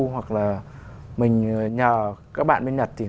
hoặc là mình nhờ các bạn bên nhật thì mình